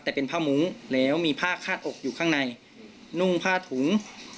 แต่เป็นผ้ามุ้งแล้วมีผ้าคาดอกอยู่ข้างในนุ่งผ้าถุง